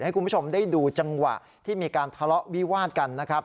ให้คุณผู้ชมได้ดูจังหวะที่มีการทะเลาะวิวาดกันนะครับ